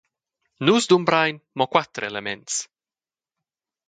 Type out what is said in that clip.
Nus dumbrein mo quater elements.